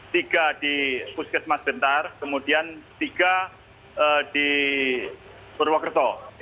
tiga di puskesmas bentar kemudian tiga di purwokerto